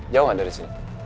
jauh gak dari sini